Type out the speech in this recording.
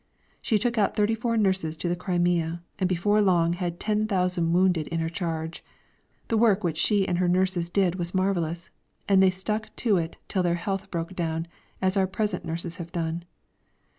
She took out thirty four nurses to the Crimea, and before long had 10,000 wounded in her charge. The work which she and her nurses did was marvellous, and they stuck to it till their health broke down, as our present nurses have done.